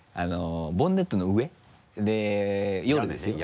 ボンネットの上で夜ですよ